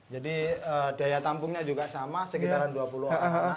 jadi daya tampungnya juga sama sekitaran dua puluh anak